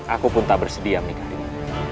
aku pun tak bersedia menikahimu